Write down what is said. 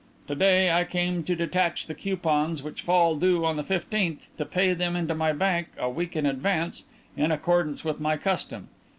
To day I came to detach the coupons which fall due on the fifteenth, to pay them into my bank a week in advance, in accordance with my custom.